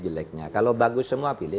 jeleknya kalau bagus semua pilih